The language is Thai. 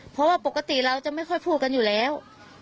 เพราะว่าปกติเราจะไม่ค่อยพูดกันอยู่แล้ว